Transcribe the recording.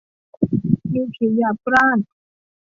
มีผิวหยาบกร้าน